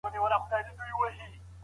ښوونکي د ټولنې روښانه څراغونه دي.